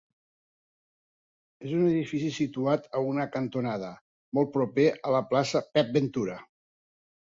És un edifici situat en una cantonada, molt proper a la plaça Pep Ventura.